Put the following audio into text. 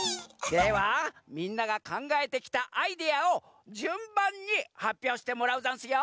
ではみんながかんがえてきたアイデアをじゅんばんにはっぴょうしてもらうざんすよ！